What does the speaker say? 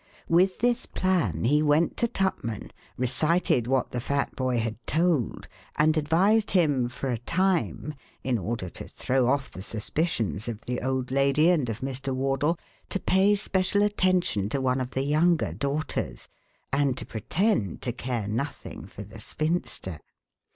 With this plan he went to Tupman, recited what the fat boy had told, and advised him, for a time, in order to throw off the suspicions of the old lady and of Mr. Wardle, to pay special attention to one of the younger daughters and to pretend to care nothing for the spinster.